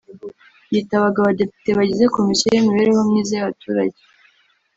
yitabaga Abadepite bagize komisiyo y’imibereho myiza y’abaturage